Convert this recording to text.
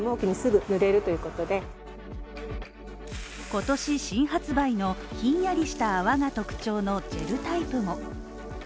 今年新発売のひんやりした泡が特徴のジェルタイプも。